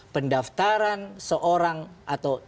pendaftaran seorang atau